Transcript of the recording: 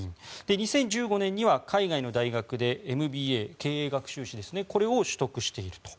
２０１５年には海外の大学でＭＢＡ・経営学修士を取得していると。